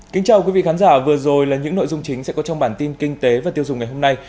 kính chào quý vị khán giả vừa rồi là những nội dung chính sẽ có trong bản tin kinh tế và tiêu dùng ngày hôm nay